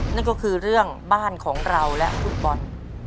นั่นก็คือเรื่องบ้านของเราและฟุตบอล